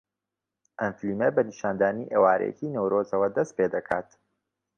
ئەم فیلمە بە نیشاندانی ئێوارەیەکی نەورۆزەوە دەست پێدەکات